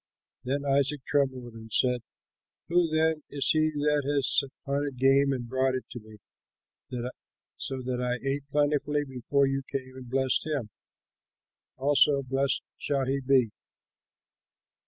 Then Isaac trembled and said, "Who then is he that has hunted game and brought it to me, so that I ate plentifully before you came, and blessed him? Also blessed shall he be!"